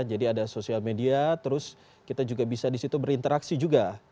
jadi ada social media terus kita juga bisa disitu berinteraksi juga